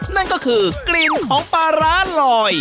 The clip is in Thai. นั่นก็คือกลิ่นของปลาร้าลอย